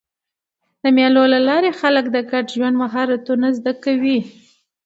د مېلو له لاري خلک د ګډ ژوند مهارتونه زده کوي.